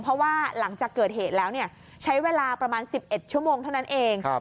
เพราะว่าหลังจากเกิดเหตุแล้วใช้เวลาประมาณ๑๑ชั่วโมงเท่านั้นเอง